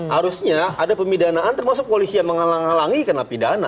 harusnya ada pemidanaan termasuk polisi yang menghalangi kena pidana